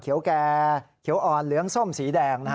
แก่เขียวอ่อนเหลืองส้มสีแดง